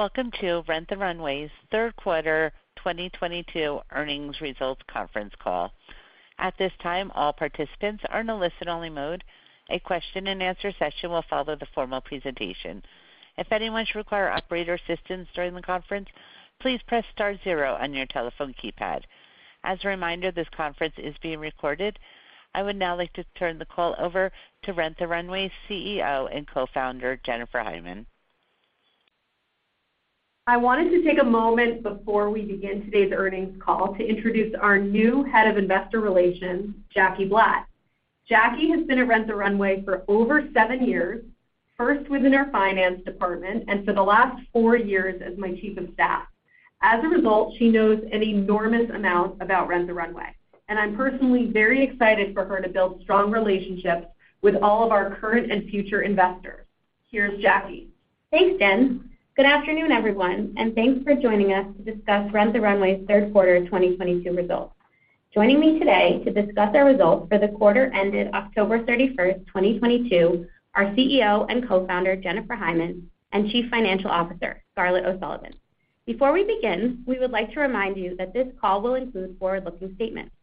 Welcome to Rent the Runway's Third Quarter 2022 Earnings Results Conference Call. At this time, all participants are in a listen-only mode. A question-and-answer session will follow the formal presentation. If anyone should require operator assistance during the conference, please press star zero on your telephone keypad. As a reminder, this conference is being recorded. I would now like to turn the call over to Rent the Runway CEO and Co-Founder, Jennifer Hyman. I wanted to take a moment before we begin today's earnings call to introduce our new Head of Investor Relations, Jackie Blatt. Jackie has been at Rent the Runway for over seven years, first within our finance department, and for the last four years as my chief of staff. As a result, she knows an enormous amount about Rent the Runway. I'm personally very excited for her to build strong relationships with all of our current and future investors. Here's Jackie. Thanks, Jenn. Good afternoon, everyone, thanks for joining us to discuss Rent the Runway's Third Quarter 2022 Results. Joining me today to discuss our results for the quarter ended October 31, 2022, are CEO and Co-Founder, Jennifer Hyman, and Chief Financial Officer, Scarlett O'Sullivan. Before we begin, we would like to remind you that this call will include forward-looking statements.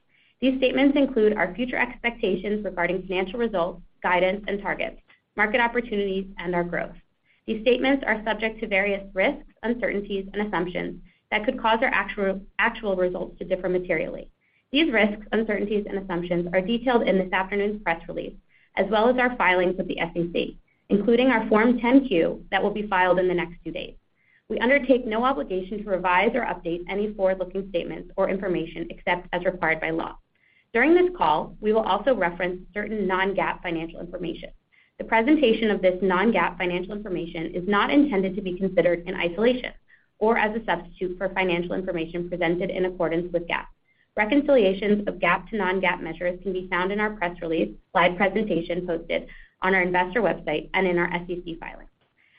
These statements include our future expectations regarding financial results, guidance and targets, market opportunities, and our growth. These statements are subject to various risks, uncertainties, and assumptions that could cause our actual results to differ materially. These risks, uncertainties, and assumptions are detailed in this afternoon's press release, as well as our filings with the SEC, including our Form 10-Q that will be filed in the next few days. We undertake no obligation to revise or update any forward-looking statements or information except as required by law. During this call, we will also reference certain non-GAAP financial information. The presentation of this non-GAAP financial information is not intended to be considered in isolation or as a substitute for financial information presented in accordance with GAAP. Reconciliations of GAAP to non-GAAP measures can be found in our press release, slide presentation posted on our investor website, and in our SEC filings.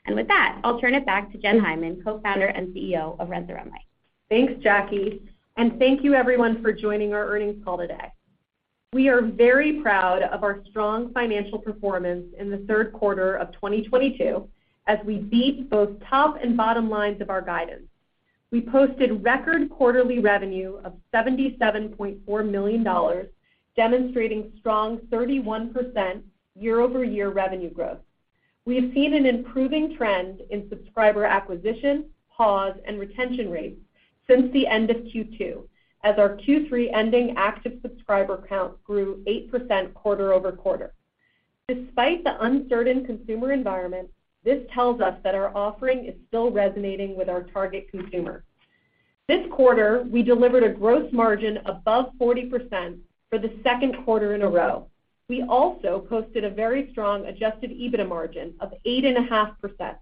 With that, I'll turn it back to Jenn Hyman, Co-Founder and CEO of Rent the Runway. Thanks, Jackie. Thank you everyone for joining our earnings call today. We are very proud of our strong financial performance in the third quarter of 2022, as we beat both top and bottom lines of our guidance. We posted record quarterly revenue of $77.4 million, demonstrating strong 31% year-over-year revenue growth. We have seen an improving trend in subscriber acquisition, pause, and retention rates since the end of Q2, as our Q3 ending active subscriber count grew 8% quarter-over-quarter. Despite the uncertain consumer environment, this tells us that our offering is still resonating with our target consumer. This quarter, we delivered a gross margin above 40% for the second quarter in a row. We also posted a very strong Adjusted EBITDA margin of 8.5%,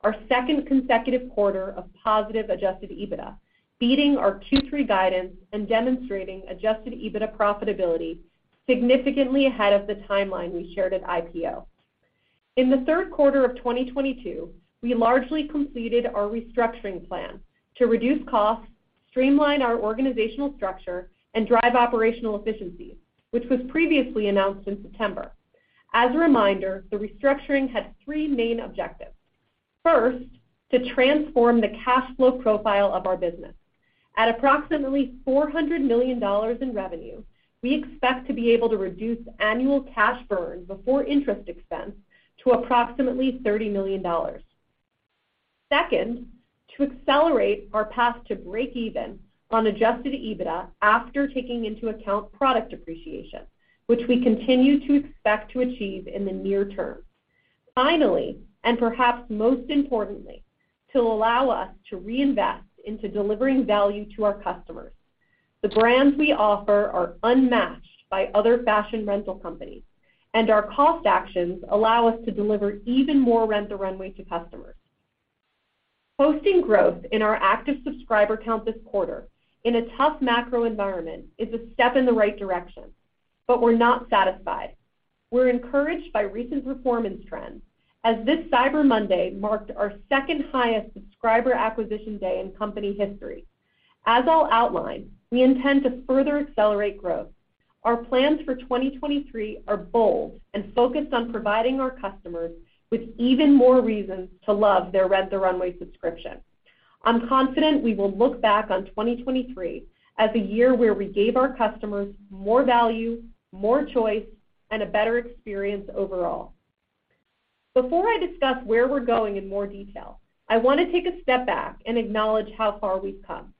our second consecutive quarter of positive Adjusted EBITDA, beating our Q3 guidance and demonstrating Adjusted EBITDA profitability significantly ahead of the timeline we shared at IPO. In the third quarter of 2022, we largely completed our restructuring plan to reduce costs, streamline our organizational structure, and drive operational efficiencies, which was previously announced in September. As a reminder, the restructuring had three main objectives. First, to transform the cash flow profile of our business. At approximately $400 million in revenue, we expect to be able to reduce annual cash burn before interest expense to approximately $30 million. Second, to accelerate our path to breakeven on Adjusted EBITDA after taking into account product depreciation, which we continue to expect to achieve in the near term. Finally, perhaps most importantly, to allow us to reinvest into delivering value to our customers. The brands we offer are unmatched by other fashion rental companies, and our cost actions allow us to deliver even more Rent the Runway to customers. Posting growth in our active subscriber count this quarter in a tough macro environment is a step in the right direction, but we're not satisfied. We're encouraged by recent performance trends as this Cyber Monday marked our second-highest subscriber acquisition day in company history. As I'll outline, we intend to further accelerate growth. Our plans for 2023 are bold and focused on providing our customers with even more reasons to love their Rent the Runway subscription. I'm confident we will look back on 2023 as a year where we gave our customers more value, more choice, and a better experience overall. Before I discuss where we're going in more detail, I want to take a step back and acknowledge how far we've come.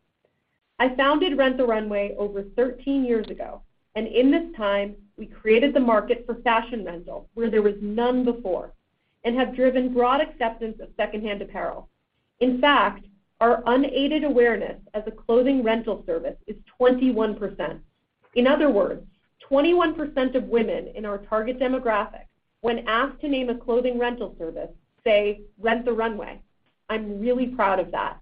I founded Rent the Runway over 13 years ago, and in this time, we created the market for fashion rental where there was none before and have driven broad acceptance of secondhand apparel. In fact, our unaided awareness as a clothing rental service is 21%. In other words, 21% of women in our target demographic, when asked to name a clothing rental service, say Rent the Runway. I'm really proud of that.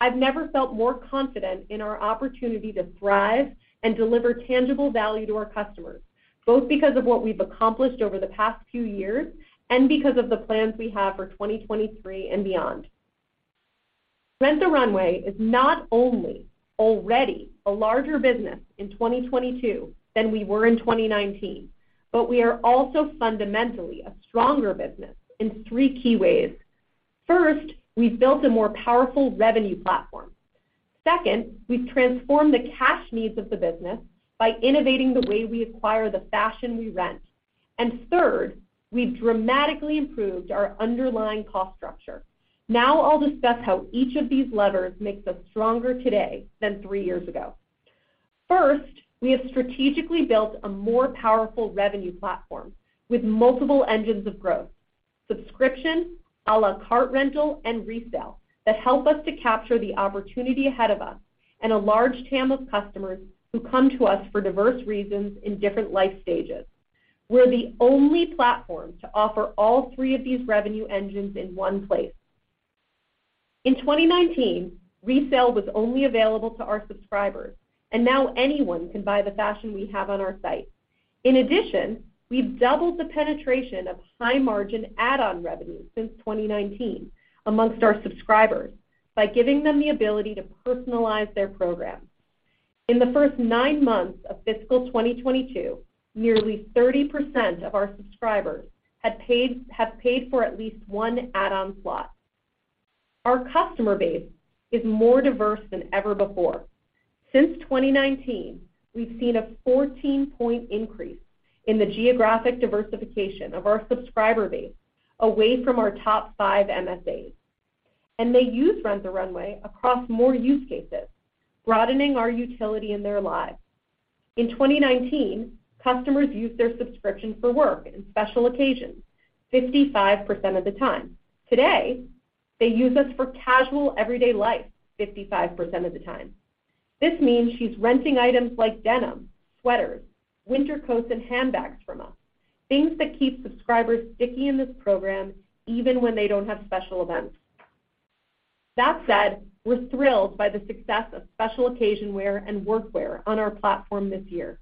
I've never felt more confident in our opportunity to thrive and deliver tangible value to our customers, both because of what we've accomplished over the past few years and because of the plans we have for 2023 and beyond. Rent the Runway is not only already a larger business in 2022 than we were in 2019, we are also fundamentally a stronger business in three key ways. First, we've built a more powerful revenue platform. Second, we've transformed the cash needs of the business by innovating the way we acquire the fashion we rent. Third, we've dramatically improved our underlying cost structure. Now I'll discuss how each of these levers makes us stronger today than three years ago. First, we have strategically built a more powerful revenue platform with multiple engines of growth, subscription, à la carte rental, and resale, that help us to capture the opportunity ahead of us and a large TAM of customers who come to us for diverse reasons in different life stages. We're the only platform to offer all three of these revenue engines in one place. In 2019, resale was only available to our subscribers. Now anyone can buy the fashion we have on our site. In addition, we've doubled the penetration of high-margin add-on revenue since 2019 amongst our subscribers by giving them the ability to personalize their program. In the first nine months of fiscal 2022, nearly 30% of our subscribers have paid for at least one add-on slot. Our customer base is more diverse than ever before. Since 2019, we've seen a 14-point increase in the geographic diversification of our subscriber base away from our top 5 MSAs. They use Rent the Runway across more use cases, broadening our utility in their lives. In 2019, customers used their subscription for work and special occasions 55% of the time. Today, they use us for casual, everyday life 55% of the time. This means she's renting items like denim, sweaters, winter coats, and handbags from us, things that keep subscribers sticky in this program even when they don't have special events. That said, we're thrilled by the success of special occasion wear and workwear on our platform this year.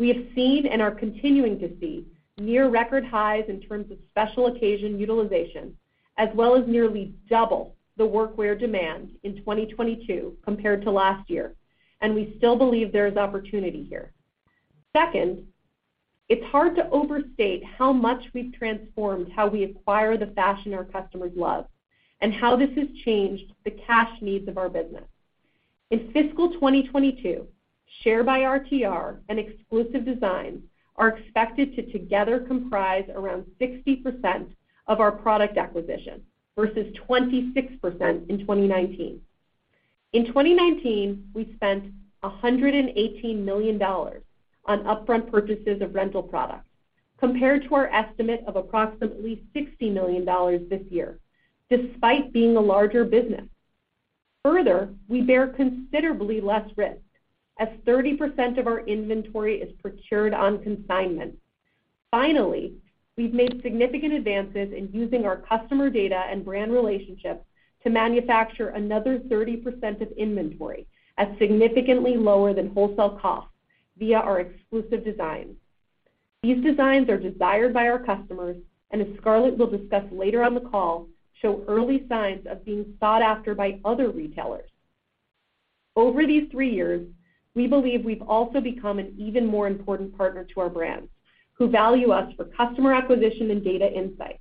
We have seen and are continuing to see near record highs in terms of special occasion utilization, as well as nearly double the workwear demand in 2022 compared to last year, we still believe there is opportunity here. Second, it's hard to overstate how much we've transformed how we acquire the fashion our customers love and how this has changed the cash needs of our business. In fiscal 2022, Share by RTR and exclusive designs are expected to together comprise around 60% of our product acquisition, versus 26% in 2019. In 2019, we spent $118 million on upfront purchases of rental products, compared to our estimate of approximately $60 million this year, despite being a larger business. We bear considerably less risk, as 30% of our inventory is procured on consignment. We've made significant advances in using our customer data and brand relationships to manufacture another 30% of inventory at significantly lower than wholesale costs via our exclusive designs. These designs are desired by our customers, as Scarlett will discuss later on the call, show early signs of being sought after by other retailers. Over these three years, we believe we've also become an even more important partner to our brands, who value us for customer acquisition and data insights.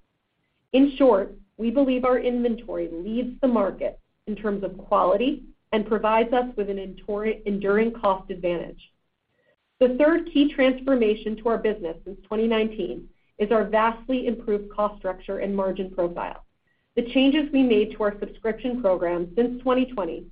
We believe our inventory leads the market in terms of quality and provides us with an enduring cost advantage. The third key transformation to our business since 2019 is our vastly improved cost structure and margin profile. The changes we made to our subscription program since 2020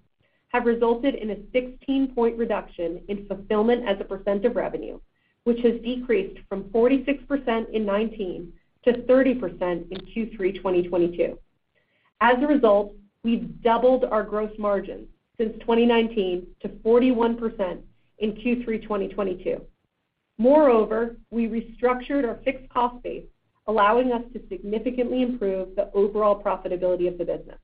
have resulted in a 16-point reduction in fulfillment as a percent of revenue, which has decreased from 46% in 2019 to 30% in Q3 2022. As a result, we've doubled our gross margin since 2019 to 41% in Q3 2022. Moreover, we restructured our fixed cost base, allowing us to significantly improve the overall profitability of the business.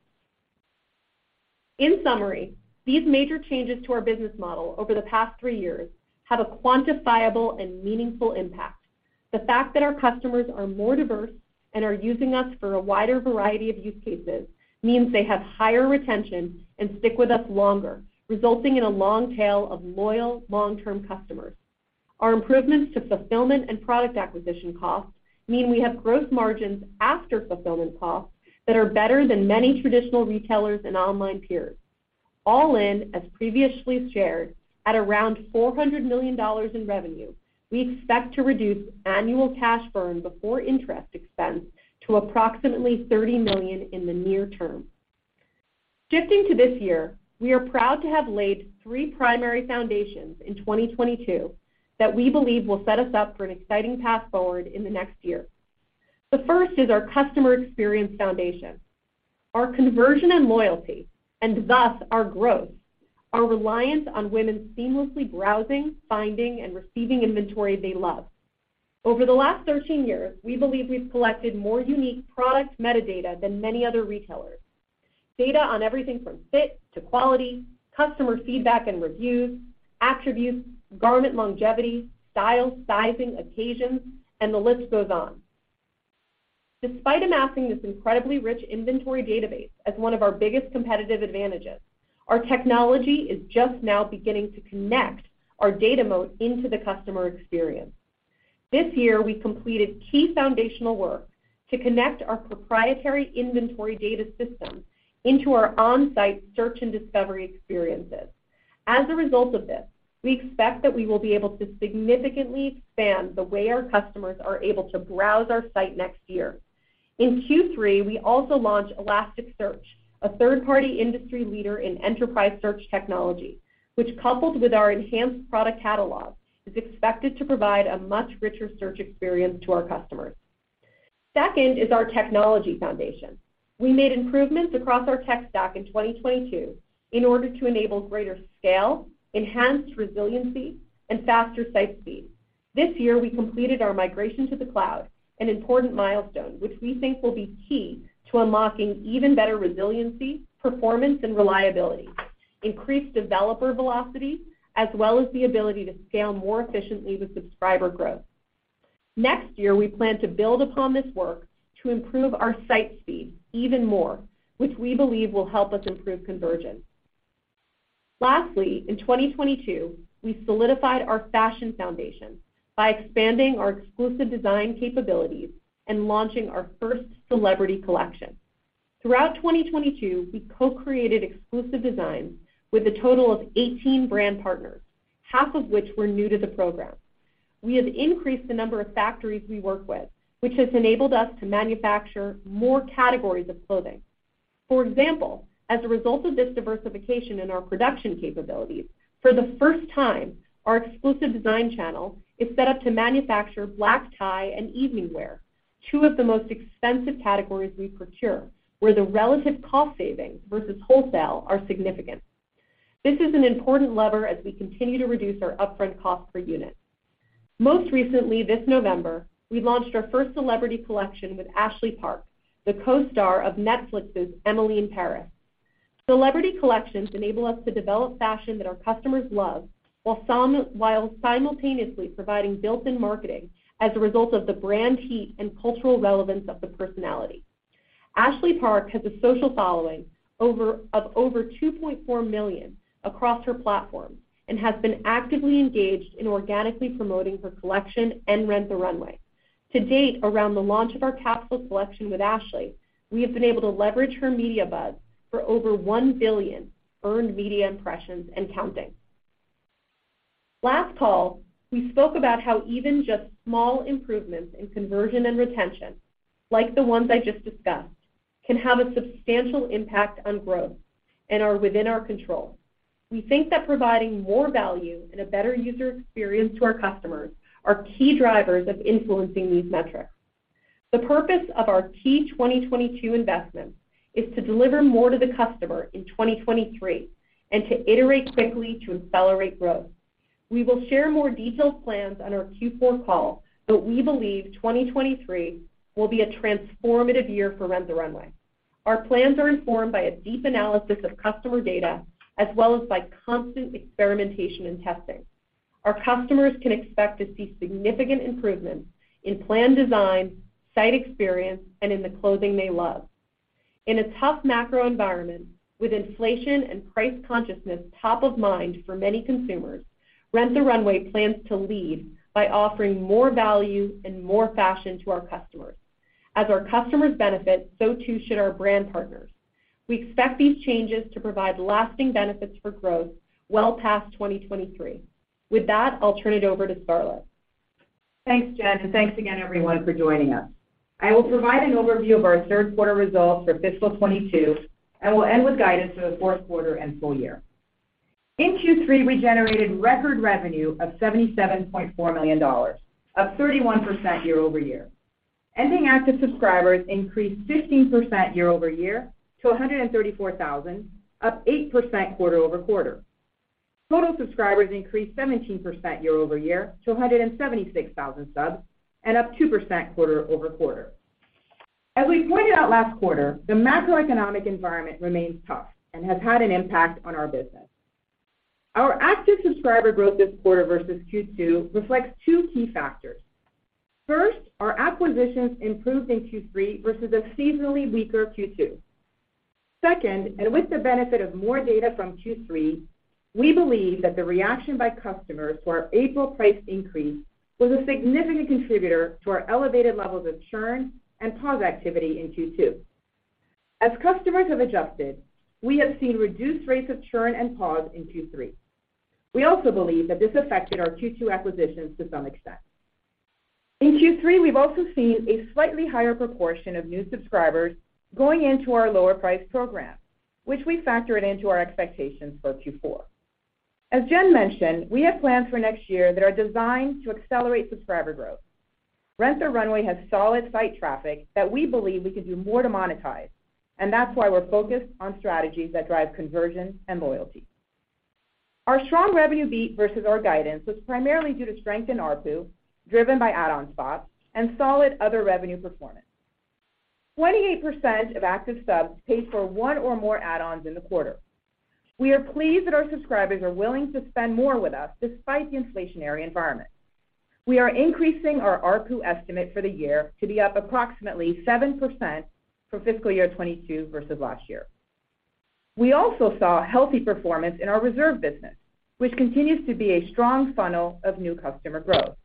In summary, these major changes to our business model over the past three years have a quantifiable and meaningful impact. The fact that our customers are more diverse and are using us for a wider variety of use cases means they have higher retention and stick with us longer, resulting in a long tail of loyal, long-term customers. Our improvements to fulfillment and product acquisition costs mean we have gross margins after fulfillment costs that are better than many traditional retailers and online peers. All in, as previously shared, at around $400 million in revenue, we expect to reduce annual cash burn before interest expense to approximately $30 million in the near term. Shifting to this year, we are proud to have laid three primary foundations in 2022 that we believe will set us up for an exciting path forward in the next year. The first is our customer experience foundation. Our conversion and loyalty, and thus our growth, are reliant on women seamlessly browsing, finding, and receiving inventory they love. Over the last 13 years, we believe we've collected more unique product metadata than many other retailers. Data on everything from fit to quality, customer feedback and reviews, attributes, garment longevity, style, sizing, occasions, and the list goes on. Despite amassing this incredibly rich inventory database as one of our biggest competitive advantages, our technology is just now beginning to connect our data moat into the customer experience. This year, we completed key foundational work to connect our proprietary inventory data system into our on-site search and discovery experiences. As a result of this, we expect that we will be able to significantly expand the way our customers are able to browse our site next year. In Q3, we also launched Elasticsearch, a third-party industry leader in enterprise search technology, which coupled with our enhanced product catalog, is expected to provide a much richer search experience to our customers. Second is our technology foundation. We made improvements across our tech stack in 2022 in order to enable greater scale, enhanced resiliency, and faster site speed. This year, we completed our migration to the cloud, an important milestone, which we think will be key to unlocking even better resiliency, performance, and reliability, increased developer velocity, as well as the ability to scale more efficiently with subscriber growth. Next year, we plan to build upon this work to improve our site speed even more, which we believe will help us improve conversion. Lastly, in 2022, we solidified our fashion foundation by expanding our exclusive design capabilities and launching our first celebrity collection. Throughout 2022, we co-created exclusive designs with a total of 18 brand partners, half of which were new to the program. We have increased the number of factories we work with, which has enabled us to manufacture more categories of clothing. For example, as a result of this diversification in our production capabilities, for the first time, our exclusive design channel is set up to manufacture black tie and evening wear, two of the most expensive categories we procure, where the relative cost savings versus wholesale are significant. This is an important lever as we continue to reduce our upfront cost per unit. Most recently this November, we launched our first celebrity collection with Ashley Park, the co-star of Netflix's Emily in Paris. Celebrity collections enable us to develop fashion that our customers love, while simultaneously providing built-in marketing as a result of the brand heat and cultural relevance of the personality. Ashley Park has a social following of over 2.4 million across her platforms, and has been actively engaged in organically promoting her collection and Rent the Runway. To date, around the launch of our capsule collection with Ashley, we have been able to leverage her media buzz for over 1 billion earned media impressions and counting. Last call, we spoke about how even just small improvements in conversion and retention, like the ones I just discussed, can have a substantial impact on growth and are within our control. We think that providing more value and a better user experience to our customers are key drivers of influencing these metrics. The purpose of our key 2022 investments is to deliver more to the customer in 2023 and to iterate quickly to accelerate growth. We will share more detailed plans on our Q4 call, but we believe 2023 will be a transformative year for Rent the Runway. Our plans are informed by a deep analysis of customer data as well as by constant experimentation and testing. Our customers can expect to see significant improvements in plan design, site experience, and in the clothing they love. In a tough macro environment with inflation and price consciousness top of mind for many consumers, Rent the Runway plans to lead by offering more value and more fashion to our customers. As our customers benefit, so too should our brand partners. We expect these changes to provide lasting benefits for growth well past 2023. With that, I'll turn it over to Scarlett. Thanks, Jenn. Thanks again, everyone, for joining us. I will provide an overview of our third quarter results for fiscal 2022, and we'll end with guidance for the fourth quarter and full year. In Q3, we generated record revenue of $77.4 million, up 31% year-over-year. Ending active subscribers increased 15% year-over-year to 134,000, up 8% quarter-over-quarter. Total subscribers increased 17% year-over-year to 176,000 subs and up 2% quarter-over-quarter. As we pointed out last quarter, the macroeconomic environment remains tough and has had an impact on our business. Our active subscriber growth this quarter versus Q2 reflects two key factors. First, our acquisitions improved in Q3 versus a seasonally weaker Q2. Second, with the benefit of more data from Q3, we believe that the reaction by customers to our April price increase was a significant contributor to our elevated levels of churn and pause activity in Q2. As customers have adjusted, we have seen reduced rates of churn and pause in Q3. We also believe that this affected our Q2 acquisitions to some extent. In Q3, we've also seen a slightly higher proportion of new subscribers going into our lower-priced program, which we factored into our expectations for Q4. As Jenn mentioned, we have plans for next year that are designed to accelerate subscriber growth. Rent the Runway has solid site traffic that we believe we could do more to monetize, and that's why we're focused on strategies that drive conversion and loyalty. Our strong revenue beat versus our guidance was primarily due to strength in ARPU, driven by add-on slots and solid other revenue performance. 28% of active subs paid for one or more add-ons in the quarter. We are pleased that our subscribers are willing to spend more with us despite the inflationary environment. We are increasing our ARPU estimate for the year to be up approximately 7% for fiscal year 22 versus last year. We also saw healthy performance in our Reserve business, which continues to be a strong funnel of new customer growth.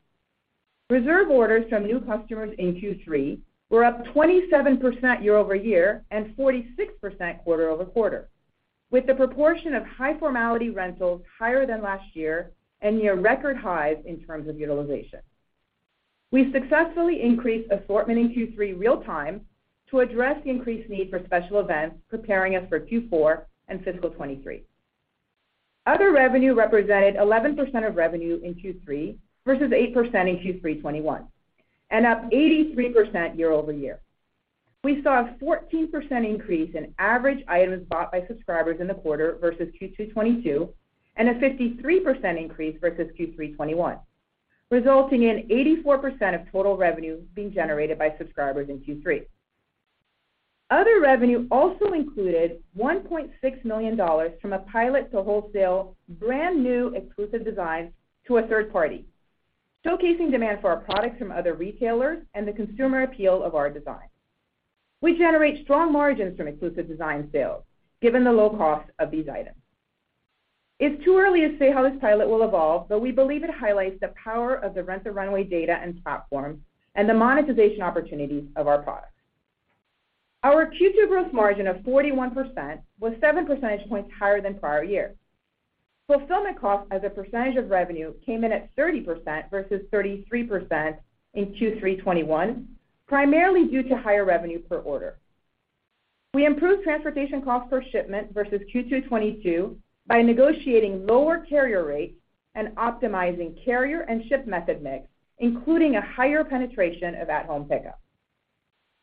Reserve orders from new customers in Q3 were up 27% year-over-year and 46% quarter-over-quarter, with the proportion of high formality rentals higher than last year and near record highs in terms of utilization. We successfully increased assortment in Q3 real time to address the increased need for special events, preparing us for Q4 and fiscal 2023. Other revenue represented 11% of revenue in Q3 versus 8% in Q3 2021, and up 83% year-over-year. We saw a 14% increase in average items bought by subscribers in the quarter versus Q2 2022, and a 53% increase versus Q3 2021, resulting in 84% of total revenue being generated by subscribers in Q3. Other revenue also included $1.6 million from a pilot to wholesale brand-new exclusive designs to a third party, showcasing demand for our products from other retailers and the consumer appeal of our designs. We generate strong margins from exclusive design sales, given the low cost of these items. It's too early to say how this pilot will evolve. We believe it highlights the power of the Rent the Runway data and platform and the monetization opportunities of our products. Our Q2 gross margin of 41% was 7 percentage points higher than prior year. Fulfillment costs as a percentage of revenue came in at 30% versus 33% in Q3 2021, primarily due to higher revenue per order. We improved transportation costs per shipment versus Q2 2022 by negotiating lower carrier rates and optimizing carrier and ship method mix, including a higher penetration of at-home pickup.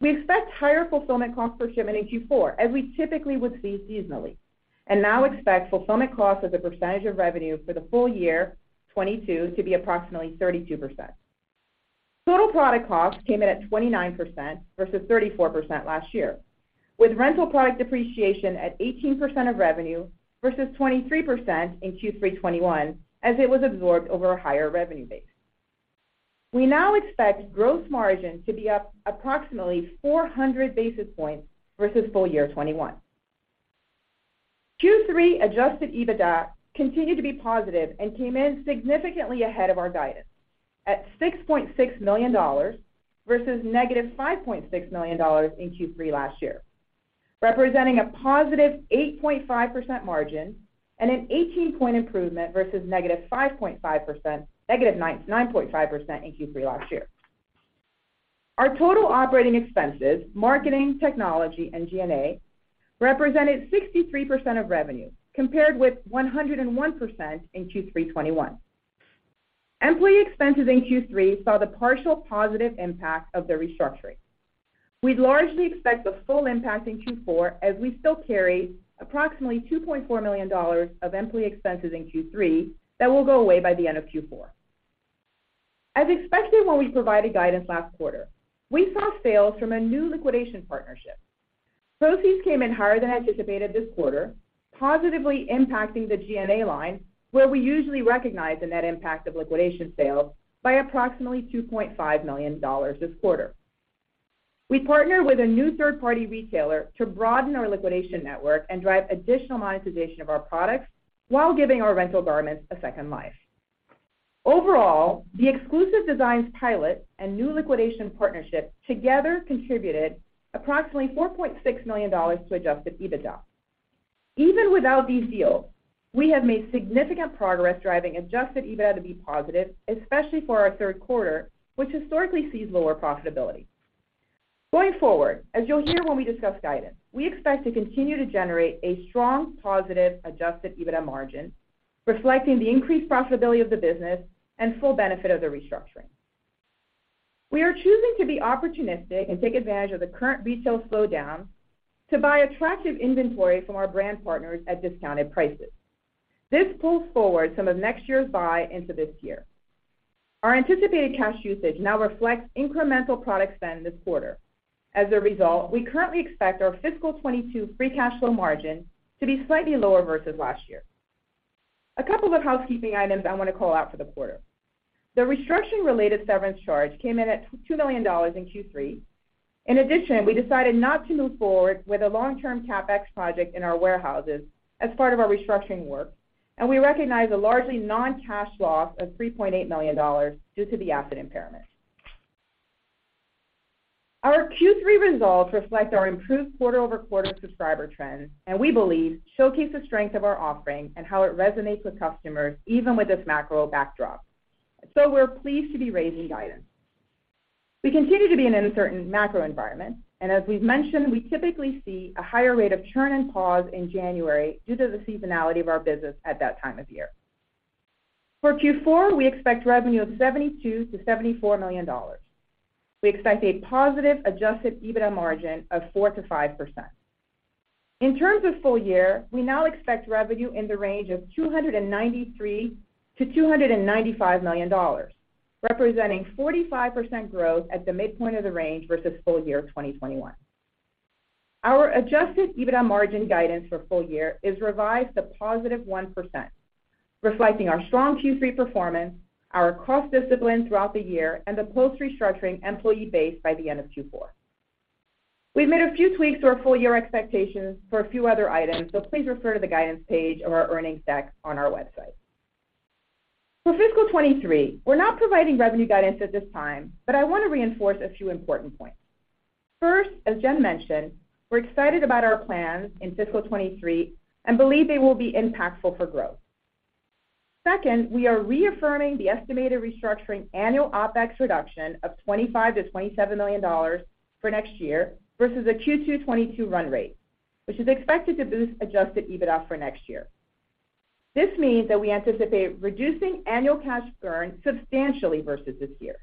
We expect higher fulfillment costs per shipment in Q4, as we typically would see seasonally, and now expect fulfillment costs as a percentage of revenue for the full year 2022 to be approximately 32%. Total product costs came in at 29% versus 34% last year, with rental product depreciation at 18% of revenue versus 23% in Q3 2021, as it was absorbed over a higher revenue base. We now expect gross margin to be up approximately 400 basis points versus full year 2021. Q3 Adjusted EBITDA continued to be positive and came in significantly ahead of our guidance at $6.6 million versus $-5.6 million in Q3 last year, representing a +8.5% margin and an 18 point improvement versus -9.5% in Q3 last year. Our total operating expenses, marketing, technology, and G&A, represented 63% of revenue, compared with 101% in Q3 2021. Employee expenses in Q3 saw the partial positive impact of the restructuring. We'd largely expect the full impact in Q4, as we still carry approximately $2.4 million of employee expenses in Q3 that will go away by the end of Q4. As expected when we provided guidance last quarter, we saw sales from a new liquidation partnership. Proceeds came in higher than anticipated this quarter, positively impacting the G&A line, where we usually recognize the net impact of liquidation sales, by approximately $2.5 million this quarter. We partnered with a new third-party retailer to broaden our liquidation network and drive additional monetization of our products while giving our rental garments a second life. Overall, the exclusive designs pilot and new liquidation partnership together contributed approximately $4.6 million to Adjusted EBITDA. Even without these deals, we have made significant progress driving Adjusted EBITDA to be positive, especially for our third quarter, which historically sees lower profitability. Going forward, as you'll hear when we discuss guidance, we expect to continue to generate a strong positive Adjusted EBITDA margin, reflecting the increased profitability of the business and full benefit of the restructuring. We are choosing to be opportunistic and take advantage of the current retail slowdown to buy attractive inventory from our brand partners at discounted prices. This pulls forward some of next year's buy into this year. Our anticipated cash usage now reflects incremental product spend this quarter. As a result, we currently expect our fiscal 2022 free cash flow margin to be slightly lower versus last year. A couple of housekeeping items I want to call out for the quarter. The restructuring-related severance charge came in at $2 million in Q3. We decided not to move forward with a long-term CapEx project in our warehouses as part of our restructuring work, and we recognize a largely non-cash loss of $3.8 million due to the asset impairment. Our Q3 results reflect our improved quarter-over-quarter subscriber trends and, we believe, showcase the strength of our offering and how it resonates with customers, even with this macro backdrop. We're pleased to be raising guidance. We continue to be in an uncertain macro environment, and as we've mentioned, we typically see a higher rate of churn and pause in January due to the seasonality of our business at that time of year. For Q4, we expect revenue of $72 million-$74 million. We expect a positive Adjusted EBITDA margin of 4%-5%. In terms of full year, we now expect revenue in the range of $293 million-$295 million. Representing 45% growth at the midpoint of the range versus full year 2021. Our Adjusted EBITDA margin guidance for full year is revised to positive 1%, reflecting our strong Q3 performance, our cost discipline throughout the year, and the post-restructuring employee base by the end of Q4. We've made a few tweaks to our full year expectations for a few other items, so please refer to the guidance page of our earnings deck on our website. For fiscal 2023, we're not providing revenue guidance at this time, but I want to reinforce a few important points. First, as Jenn mentioned, we're excited about our plans in fiscal 2023 and believe they will be impactful for growth. Second, we are reaffirming the estimated restructuring annual OpEx reduction of $25 million-$27 million for next year versus a Q2 2022 run rate, which is expected to boost Adjusted EBITDA for next year. This means that we anticipate reducing annual cash burn substantially versus this year.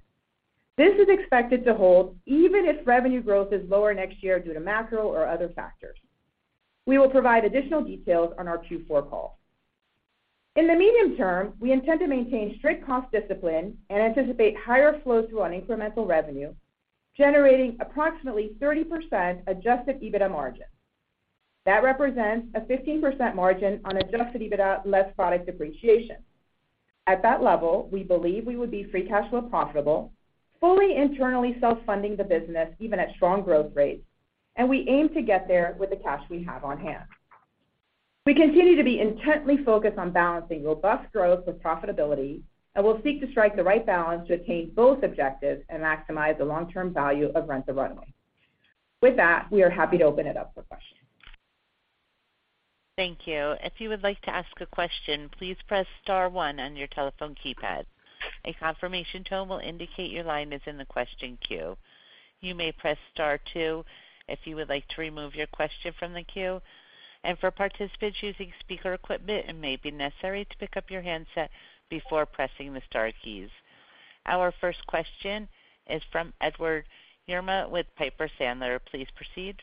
This is expected to hold even if revenue growth is lower next year due to macro or other factors. We will provide additional details on our Q4 call. In the medium term, we intend to maintain strict cost discipline and anticipate higher flow-through on incremental revenue, generating approximately 30% Adjusted EBITDA margin. That represents a 15% margin on Adjusted EBITDA less product depreciation. At that level, we believe we would be free cash flow profitable, fully internally self-funding the business even at strong growth rates, and we aim to get there with the cash we have on hand. We continue to be intently focused on balancing robust growth with profitability, and we'll seek to strike the right balance to attain both objectives and maximize the long-term value of Rent the Runway. With that, we are happy to open it up for questions. Thank you. If you would like to ask a question, please press star one on your telephone keypad. A confirmation tone will indicate your line is in the question queue. You may press star two if you would like to remove your question from the queue. For participants using speaker equipment, it may be necessary to pick up your handset before pressing the star keys. Our first question is from Edward Yruma with Piper Sandler. Please proceed.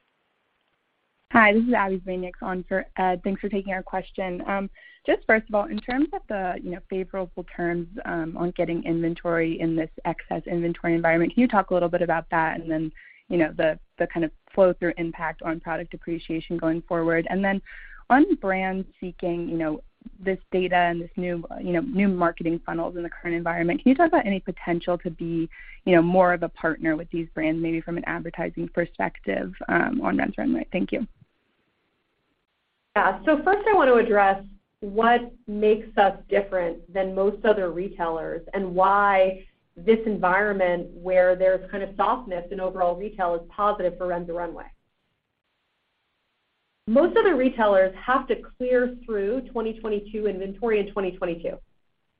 Hi, this is Abbie Zvejnieks on for Ed. Thanks for taking our question. Just first of all, in terms of the, you know, favorable terms on getting inventory in this excess inventory environment, can you talk a little bit about that? Then, you know, the kind of flow-through impact on product depreciation going forward. Then on brands seeking, you know, this data and this new, you know, new marketing funnels in the current environment, can you talk about any potential to be, you know, more of a partner with these brands, maybe from an advertising perspective on Rent the Runway? Thank you. First I want to address what makes us different than most other retailers, and why this environment where there's kind of softness in overall retail is positive for Rent the Runway. Most other retailers have to clear through 2022 inventory in 2022,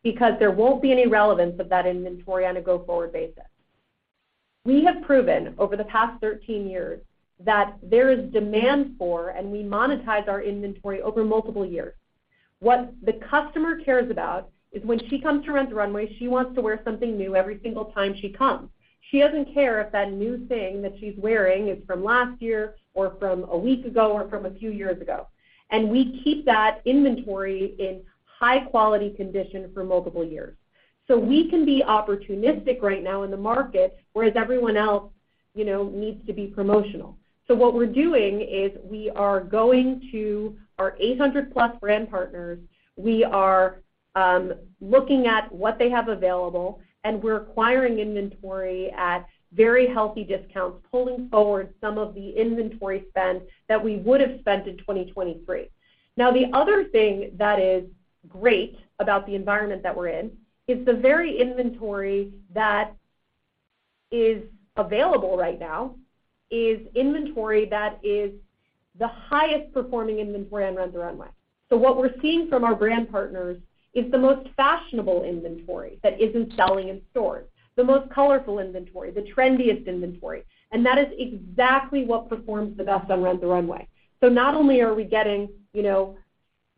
because there won't be any relevance of that inventory on a go-forward basis. We have proven over the past 13 years that there is demand for, and we monetize our inventory over multiple years. What the customer cares about is when she comes to Rent the Runway, she wants to wear something new every single time she comes. She doesn't care if that new thing that she's wearing is from last year or from a week ago or from a few years ago. We keep that inventory in high-quality condition for multiple years. We can be opportunistic right now in the market, whereas everyone else, you know, needs to be promotional. What we're doing is we are going to our 800+ brand partners. We are looking at what they have available, and we're acquiring inventory at very healthy discounts, pulling forward some of the inventory spend that we would have spent in 2023. The other thing that is great about the environment that we're in is the very inventory that is available right now is inventory that is the highest performing inventory on Rent the Runway. What we're seeing from our brand partners is the most fashionable inventory that isn't selling in stores, the most colorful inventory, the trendiest inventory. That is exactly what performs the best on Rent the Runway. Not only are we getting, you know,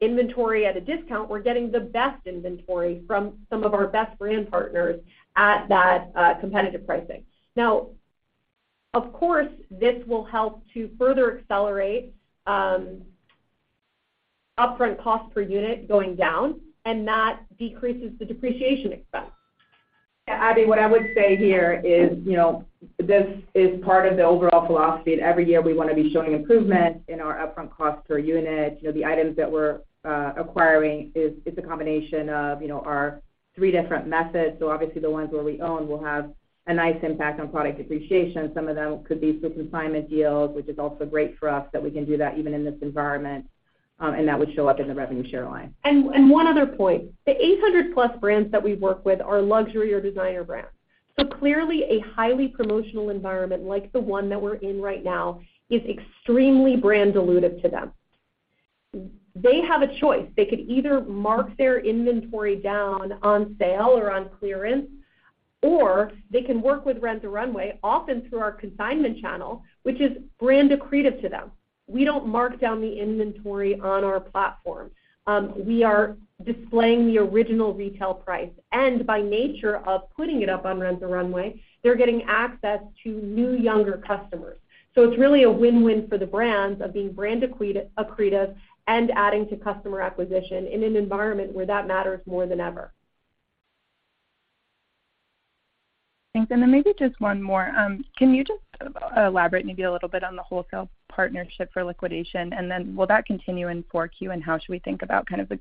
inventory at a discount, we're getting the best inventory from some of our best brand partners at that competitive pricing. Of course, this will help to further accelerate upfront cost per unit going down, and that decreases the depreciation expense. Abby, what I would say here is, you know, this is part of the overall philosophy that every year we want to be showing improvement in our upfront cost per unit. You know, the items that we're acquiring is it's a combination of, you know, our three different methods. Obviously the ones where we own will have a nice impact on product depreciation. Some of them could be through consignment deals, which is also great for us that we can do that even in this environment, and that would show up in the revenue share line. One other point. The 800+ brands that we work with are luxury or designer brands. Clearly a highly promotional environment like the one that we're in right now is extremely brand dilutive to them. They have a choice. They could either mark their inventory down on sale or on clearance, or they can work with Rent the Runway, often through our consignment channel, which is brand accretive to them. We don't mark down the inventory on our platform. We are displaying the original retail price. By nature of putting it up on Rent the Runway, they're getting access to new, younger customers. It's really a win-win for the brands of being brand accretive and adding to customer acquisition in an environment where that matters more than ever. Thanks. Maybe just one more. Can you just elaborate maybe a little bit on the wholesale partnership for liquidation, will that continue in 4Q, and how should we think about kind of the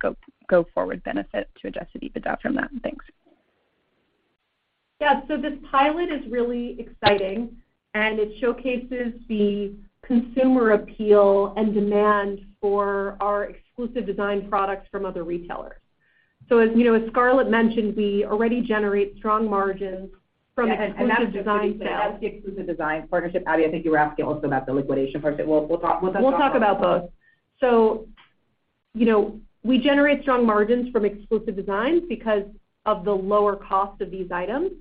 go forward benefit to Adjusted EBITDA from that? Thanks. Yeah. This pilot is really exciting and it showcases the consumer appeal and demand for our exclusive design products from other retailers. As, you know, as Scarlett mentioned, we already generate strong margins from exclusive design sales. That's the Exclusive Design partnership. Abbie, I think you were asking also about the liquidation part, but we'll talk about that. We'll talk about both. You know, we generate strong margins from exclusive designs because of the lower cost of these items.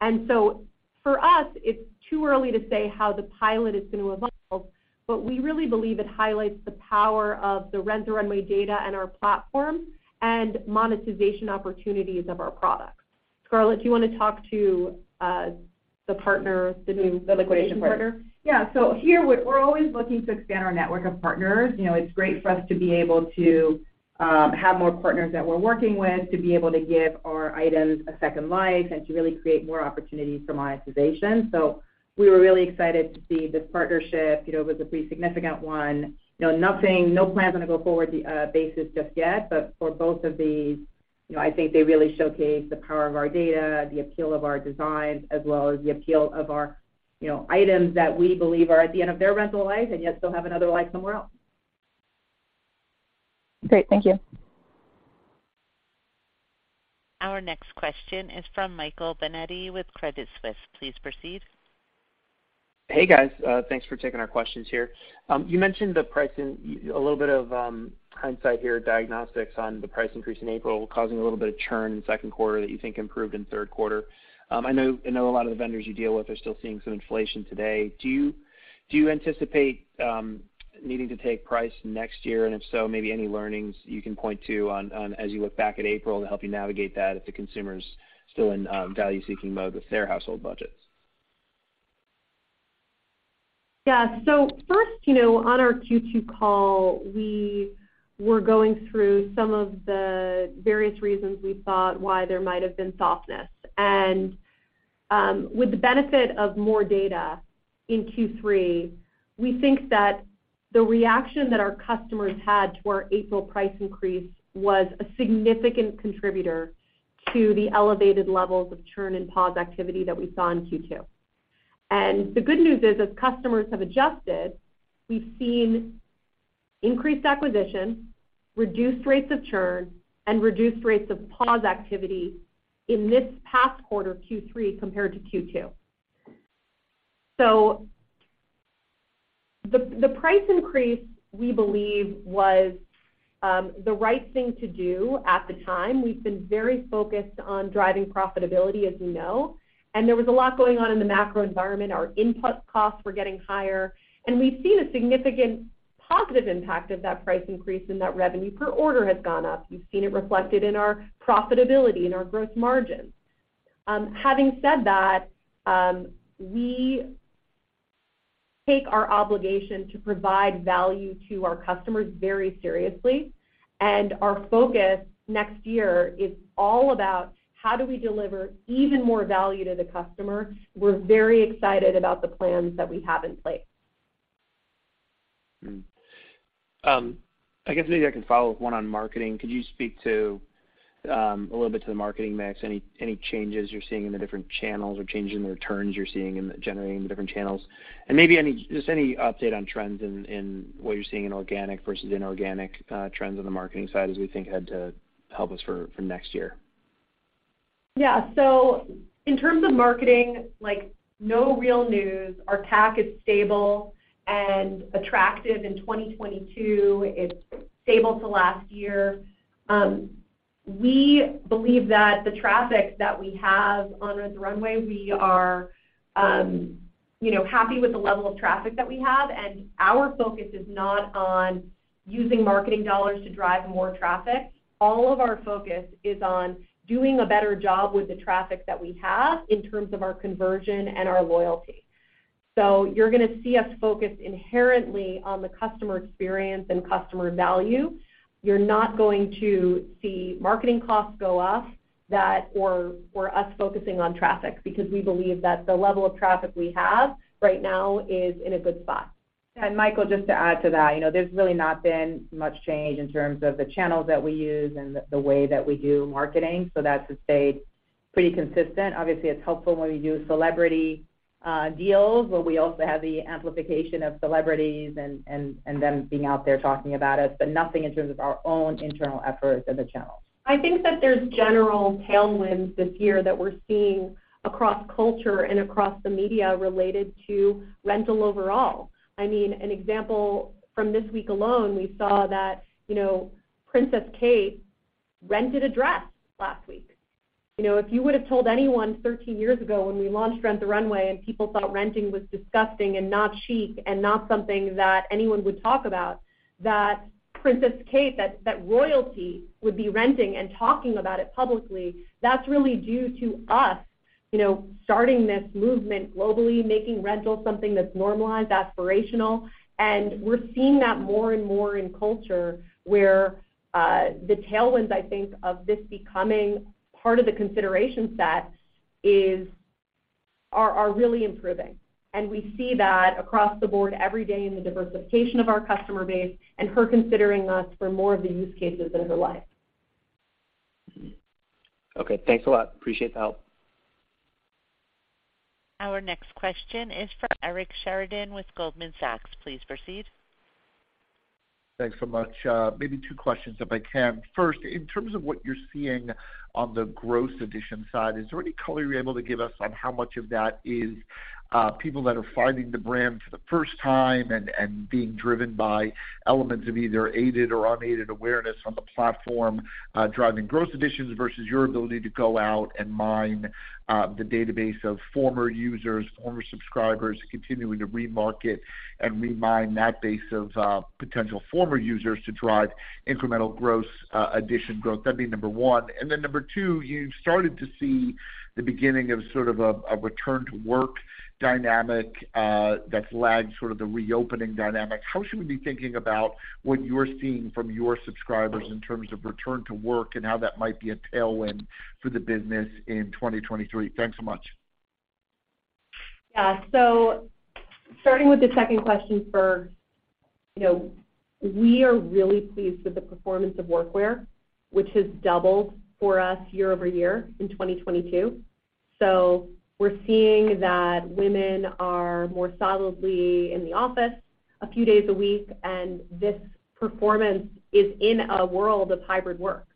For us, it's too early to say how the pilot is gonna evolve, but we really believe it highlights the power of the Rent the Runway data and our platform and monetization opportunities of our products. Scarlett, do you wanna talk to the partner, The liquidation partner. liquidation partner? Yeah. Here we're always looking to expand our network of partners. You know, it's great for us to be able to have more partners that we're working with to be able to give our items a second life and to really create more opportunities for monetization. We were really excited to see this partnership, you know, it was a pretty significant one. You know, no plans on a go-forward basis just yet. For both of these, you know, I think they really showcase the power of our data, the appeal of our designs, as well as the appeal of our, you know, items that we believe are at the end of their rental life, and yet still have another life somewhere else. Great. Thank you. Our next question is from Michael Binetti with Credit Suisse. Please proceed. Hey, guys. Thanks for taking our questions here. You mentioned the pricing, a little bit of hindsight here, diagnostics on the price increase in April causing a little bit of churn in second quarter that you think improved in third quarter. I know a lot of the vendors you deal with are still seeing some inflation today. Do you anticipate needing to take price next year? If so, maybe any learnings you can point to on as you look back at April to help you navigate that if the consumer's still in value-seeking mode with their household budgets? Yeah. First, you know, on our Q2 call, we were going through some of the various reasons we thought why there might have been softness. With the benefit of more data in Q3, we think that the reaction that our customers had to our April price increase was a significant contributor to the elevated levels of churn and pause activity that we saw in Q2. The good news is, as customers have adjusted, we've seen increased acquisition, reduced rates of churn, and reduced rates of pause activity in this past quarter, Q3, compared to Q2. The price increase, we believe, was the right thing to do at the time. We've been very focused on driving profitability, as you know, and there was a lot going on in the macro environment. Our input costs were getting higher. We've seen a significant positive impact of that price increase in that revenue per order has gone up. We've seen it reflected in our profitability and our gross margins. Having said that, we take our obligation to provide value to our customers very seriously, and our focus next year is all about how do we deliver even more value to the customer. We're very excited about the plans that we have in place. I guess maybe I can follow up one on marketing. Could you speak to a little bit to the marketing mix? Any changes you're seeing in the different channels or changes in the returns you're seeing in generating the different channels? Maybe any... Just any update on trends in what you're seeing in organic versus inorganic trends on the marketing side as we think ahead to help us for next year. Yeah. In terms of marketing, like no real news. Our CAC is stable and attractive in 2022. It's stable to last year. We believe that the traffic that we have on Rent the Runway, we are, you know, happy with the level of traffic that we have. Our focus is not on using marketing dollars to drive more traffic. All of our focus is on doing a better job with the traffic that we have in terms of our conversion and our loyalty. You're gonna see us focus inherently on the customer experience and customer value. You're not going to see marketing costs go up or us focusing on traffic, because we believe that the level of traffic we have right now is in a good spot. Michael, just to add to that, you know, there's really not been much change in terms of the channels that we use and the way that we do marketing. That's stayed pretty consistent. Obviously, it's helpful when we do celebrity deals, where we also have the amplification of celebrities and them being out there talking about us, but nothing in terms of our own internal efforts in the channels. I think that there's general tailwinds this year that we're seeing across culture and across the media related to rental overall. I mean, an example from this week alone, we saw that, you know, Princess Kate rented a dress last week. You know, if you would have told anyone 13 years ago when we launched Rent the Runway and people thought renting was disgusting and not chic and not something that anyone would talk about, that Princess Kate, that royalty would be renting and talking about it publicly, that's really due to us, you know, starting this movement globally, making rental something that's normalized, aspirational. We're seeing that more and more in culture where the tailwinds, I think, of this becoming part of the consideration set are really improving. We see that across the board every day in the diversification of our customer base and her considering us for more of the use cases in her life. Okay, thanks a lot. Appreciate the help. Our next question is from Eric Sheridan with Goldman Sachs. Please proceed. Thanks so much. Maybe two questions, if I can. First, in terms of what you're seeing on the gross addition side, is there any color you're able to give us on how much of that is people that are finding the brand for the first time and being driven by elements of either aided or unaided awareness on the platform, driving gross additions versus your ability to go out and mine the database of former users, former subscribers, continuing to remarket and remine that base of potential former users to drive incremental gross addition growth? That'd be number one. Number two, you started to see the beginning of sort of a return to work dynamic that's lagged sort of the reopening dynamic. How should we be thinking about what you're seeing from your subscribers in terms of return to work and how that might be a tailwind for the business in 2023? Thanks so much. Yeah. Starting with the second question first, you know, we are really pleased with the performance of workwear, which has doubled for us year-over-year in 2022. We're seeing that women are more solidly in the office a few days a week, and this performance is in a world of hybrid work.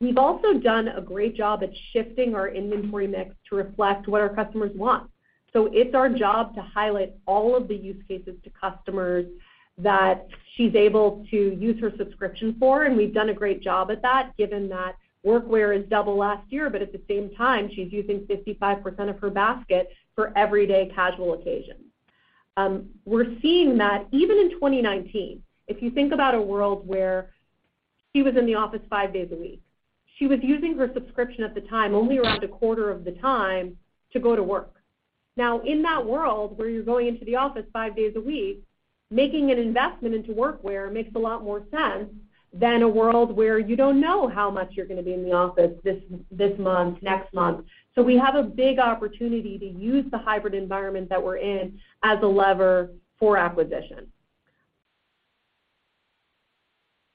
We've also done a great job at shifting our inventory mix to reflect what our customers want. It's our job to highlight all of the use cases to customers that she's able to use her subscription for, and we've done a great job at that, given that workwear has doubled last year, but at the same time, she's using 55% of her basket for everyday casual occasions. We're seeing that even in 2019, if you think about a world where she was in the office five days a week, she was using her subscription at the time only around a quarter of the time to go to work. Now, in that world, where you're going into the office five days a week, making an investment into workwear makes a lot more sense than a world where you don't know how much you're gonna be in the office this month, next month. We have a big opportunity to use the hybrid environment that we're in as a lever for acquisition.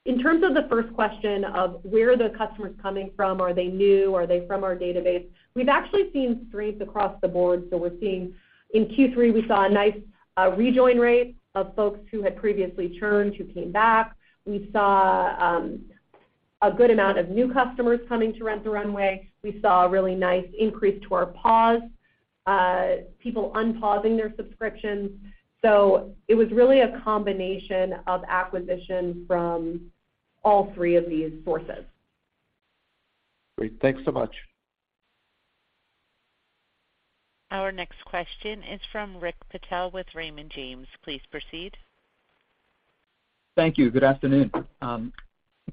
In terms of the first question of where the customer's coming from, are they new, are they from our database, we've actually seen strength across the board. We're seeing... In Q3, we saw a nice rejoin rate of folks who had previously churned, who came back. We saw a good amount of new customers coming to Rent the Runway. We saw a really nice increase to our pause, people unpausing their subscriptions. It was really a combination of acquisition from all three of these sources. Great. Thanks so much. Our next question is from Rakesh Patel with Raymond James. Please proceed. Thank you. Good afternoon. Can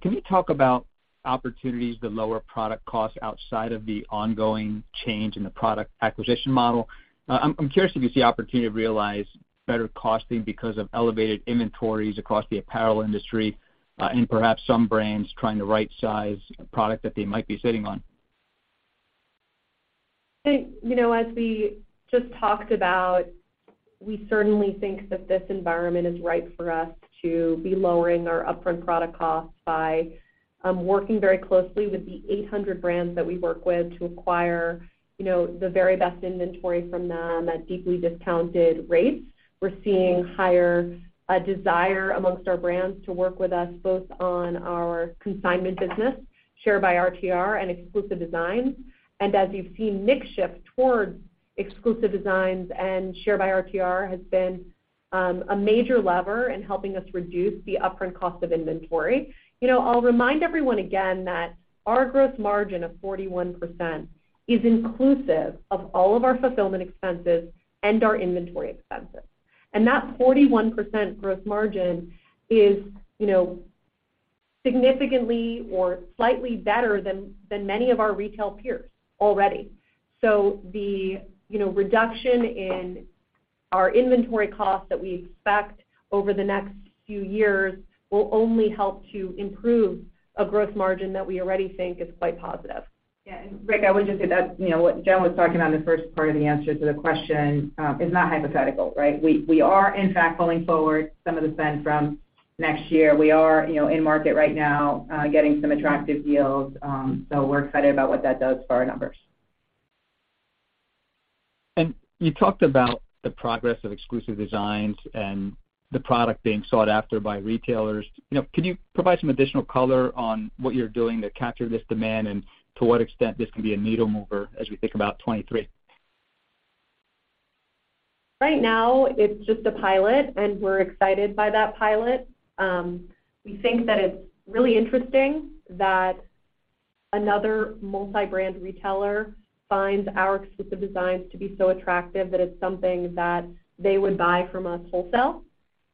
you talk about opportunities to lower product costs outside of the ongoing change in the product acquisition model? I'm curious if you see opportunity to realize better costing because of elevated inventories across the apparel industry, and perhaps some brands trying to rightsize a product that they might be sitting on. I think, you know, as we just talked about, we certainly think that this environment is ripe for us to be lowering our upfront product costs by working very closely with the 800 brands that we work with to acquire, you know, the very best inventory from them at deeply discounted rates. We're seeing higher desire amongst our brands to work with us, both on our consignment business, Share by RTR, and exclusive designs. As you've seen, mix shift towards exclusive designs and Share by RTR has been a major lever in helping us reduce the upfront cost of inventory. You know, I'll remind everyone again that our gross margin of 41% is inclusive of all of our fulfillment expenses and our inventory expenses. That 41% gross margin is, you know, significantly or slightly better than many of our retail peers already. The, you know, reduction in our inventory costs that we expect over the next few years will only help to improve a gross margin that we already think is quite positive. Yeah. Rick, I would just say that, you know, what Jenn was talking on the first part of the answer to the question, is not hypothetical, right? We are, in fact, pulling forward some of the spend from next year. We are, you know, in market right now, getting some attractive deals. We're excited about what that does for our numbers. You talked about the progress of exclusive designs and the product being sought after by retailers. You know, can you provide some additional color on what you're doing to capture this demand and to what extent this can be a needle mover as we think about 2023? Right now, it's just a pilot, and we're excited by that pilot. We think that it's really interesting that another multi-brand retailer finds our exclusive designs to be so attractive that it's something that they would buy from us wholesale.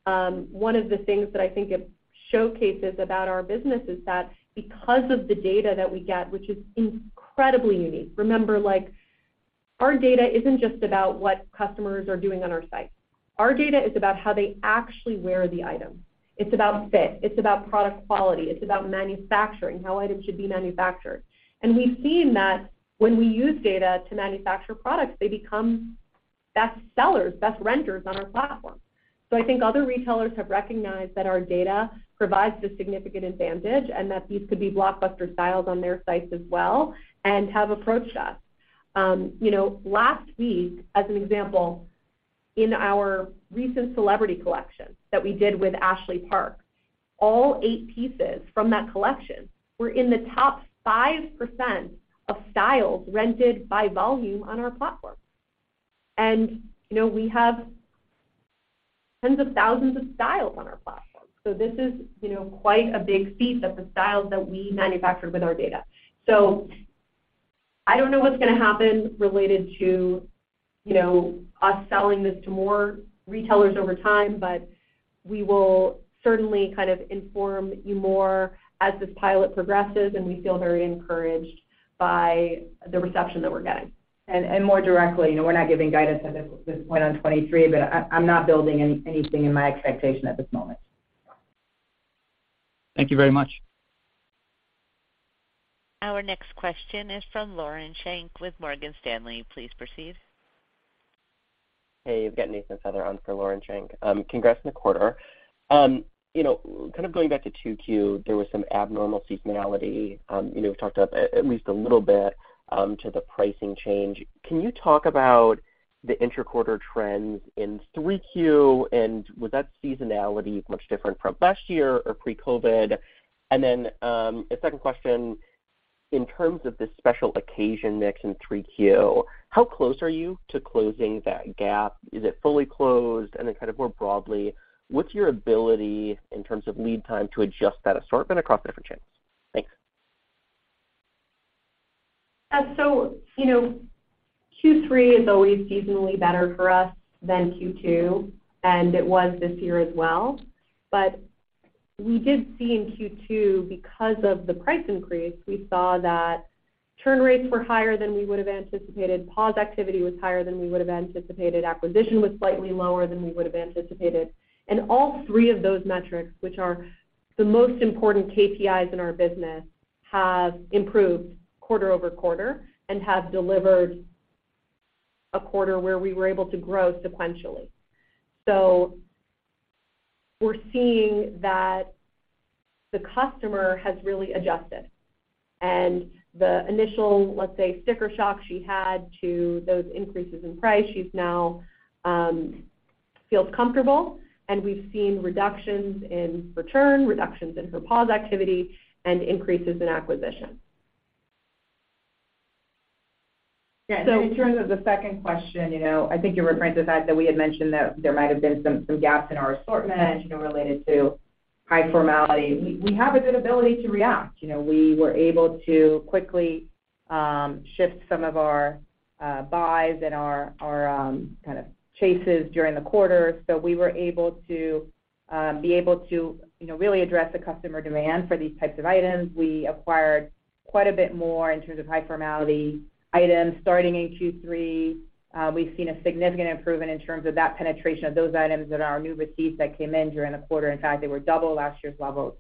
One of the things that I think it showcases about our business is that because of the data that we get, which is incredibly unique. Remember, like, our data isn't just about what customers are doing on our site. Our data is about how they actually wear the item. It's about fit, it's about product quality, it's about manufacturing, how items should be manufactured. We've seen that when we use data to manufacture products, they become best sellers, best renters on our platform. I think other retailers have recognized that our data provides a significant advantage, and that these could be blockbuster styles on their sites as well and have approached us. You know, last week, as an example, in our recent celebrity collection that we did with Ashley Park, all 8 pieces from that collection were in the top 5% of styles rented by volume on our platform. You know, we have tens of thousands of styles on our platform. This is, you know, quite a big feat that the styles that we manufactured with our data. I don't know what's gonna happen related to, you know, us selling this to more retailers over time, but we will certainly kind of inform you more as this pilot progresses, and we feel very encouraged by the reception that we're getting. More directly, you know, we're not giving guidance at this point on 2023, but I'm not building anything in my expectation at this moment. Thank you very much. Our next question is from Lauren Schenk with Morgan Stanley. Please proceed. Hey, you've got Nathan Feather on for Lauren Schenk. Congrats on the quarter. You know, kind of going back to 2Q, there was some abnormal seasonality. You know, we've talked about at least a little bit to the pricing change. Can you talk about the interquarter trends in 3Q, and was that seasonality much different from last year or pre-COVID? A second question, in terms of the special occasion mix in 3Q, how close are you to closing that gap? Is it fully closed? Kind of more broadly, what's your ability in terms of lead time to adjust that assortment across different channels? Thanks. You know, Q3 is always seasonally better for us than Q2, and it was this year as well. We did see in Q2, because of the price increase, we saw that return rates were higher than we would have anticipated, pause activity was higher than we would have anticipated, acquisition was slightly lower than we would have anticipated. All three of those metrics, which are the most important KPIs in our business, have improved quarter-over-quarter and have delivered a quarter where we were able to grow sequentially. We're seeing that the customer has really adjusted. The initial, let's say, sticker shock she had to those increases in price, she's now feels comfortable. We've seen reductions in return, reductions in her pause activity, and increases in acquisition. In terms of the second question, you know, I think you're referring to the fact that we had mentioned that there might have been some gaps in our assortment, you know, related to high formality. We have a good ability to react. You know, we were able to quickly shift some of our buys and our kind of chases during the quarter. We were able to be able to, you know, really address the customer demand for these types of items. We acquired quite a bit more in terms of high formality items starting in Q3. We've seen a significant improvement in terms of that penetration of those items that are new receipts that came in during the quarter. In fact, they were double last year's level.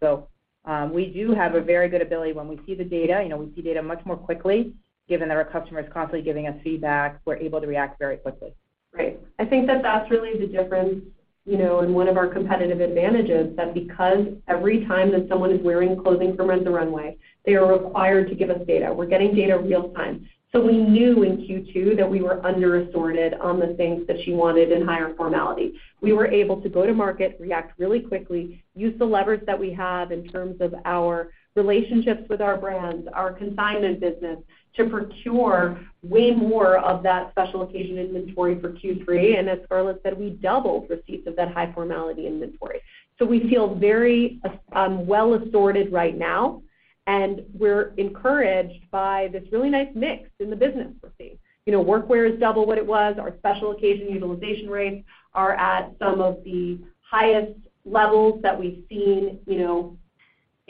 We do have a very good ability when we see the data, you know, we see data much more quickly, given that our customer is constantly giving us feedback. We're able to react very quickly. Right. I think that that's really the difference, you know, and one of our competitive advantages, that because every time that someone is wearing clothing from Rent the Runway, they are required to give us data. We're getting data real time. We knew in Q2 that we were under-assorted on the things that she wanted in higher formality. We were able to go to market, react really quickly, use the levers that we have in terms of our relationships with our brands, our consignment business, to procure way more of that special occasion inventory for Q3. As Scarlett said, we doubled receipts of that high-formality inventory. We feel very well assorted right now, and we're encouraged by this really nice mix in the business we're seeing. You know, workwear is double what it was. Our special occasion utilization rates are at some of the highest levels that we've seen, you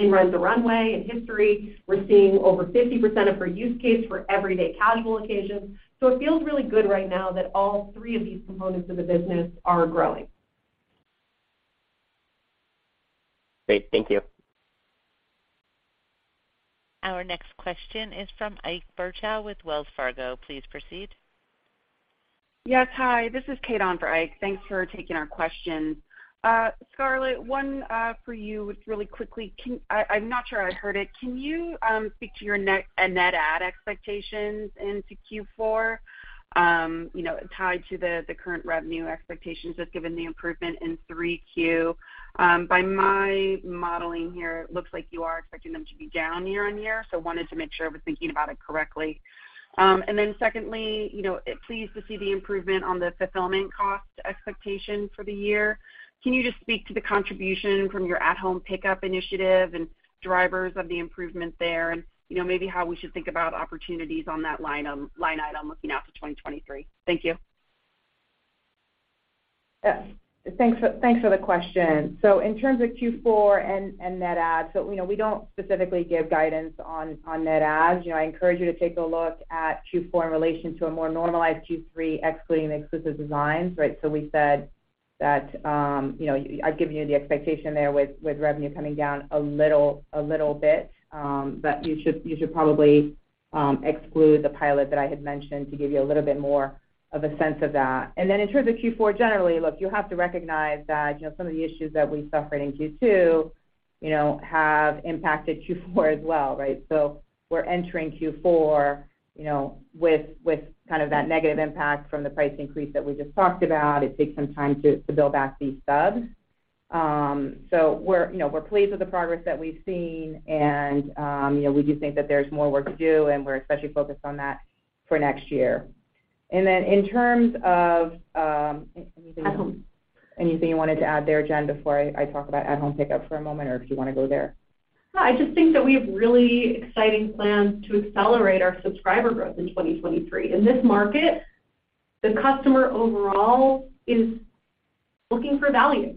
know, in Rent the Runway in history. We're seeing over 50% of her use case for everyday casual occasions. It feels really good right now that all three of these components of the business are growing. Great. Thank you. Our next question is from Ike Boruchow with Wells Fargo. Please proceed. Yes. Hi, this is Kate on for Ike. Thanks for taking our questions. Scarlett, one for you just really quickly. I'm not sure I heard it. Can you speak to your net net add expectations into Q4, you know, tied to the current revenue expectations just given the improvement in 3Q? By my modeling here, it looks like you are expecting them to be down year-on-year, so wanted to make sure I was thinking about it correctly. Secondly, you know, pleased to see the improvement on the fulfillment cost expectation for the year. Can you just speak to the contribution from your at-home pickup initiative and drivers of the improvement there? You know, maybe how we should think about opportunities on that line item looking out to 2023. Thank you. Thanks for the question. In terms of Q4 and net adds, we know we don't specifically give guidance on net adds. You know, I encourage you to take a look at Q4 in relation to a more normalized Q3, excluding Exclusive Designs, right? We said that, you know, I've given you the expectation there with revenue coming down a little bit. But you should probably exclude the pilot that I had mentioned to give you a little bit more of a sense of that. In terms of Q4, generally, look, you have to recognize that, you know, some of the issues that we suffered in Q2, you know, have impacted Q4 as well, right? We're entering Q4, you know, with kind of that negative impact from the price increase that we just talked about. It takes some time to build back these subs. We're, you know, we're pleased with the progress that we've seen. You know, we do think that there's more work to do, and we're especially focused on that for next year. At-home. Anything you wanted to add there, Jenn, before I talk about at-home pickup for a moment, or if you wanna go there. I just think that we have really exciting plans to accelerate our subscriber growth in 2023. In this market, the customer overall is looking for value.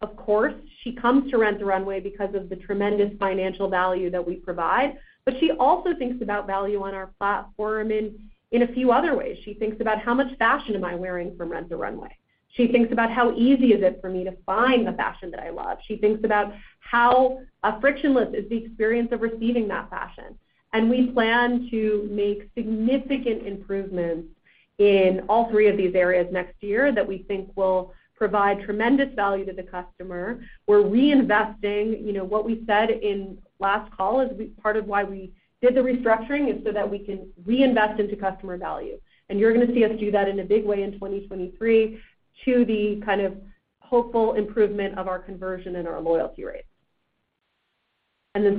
Of course, she comes to Rent the Runway because of the tremendous financial value that we provide. She also thinks about value on our platform in a few other ways. She thinks about, "How much fashion am I wearing from Rent the Runway?" She thinks about, "How easy is it for me to find the fashion that I love?" She thinks about, "How frictionless is the experience of receiving that fashion?" We plan to make significant improvements in all three of these areas next year that we think will provide tremendous value to the customer. We're reinvesting. You know, what we said in last call is part of why we did the restructuring is so that we can reinvest into customer value. You're gonna see us do that in a big way in 2023 to the kind of hopeful improvement of our conversion and our loyalty rates.